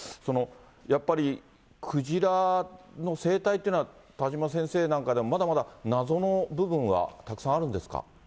やっぱりクジラの生態っていうのは、田島先生なんかでもまだまだ謎の部分はたくさんあるんですか。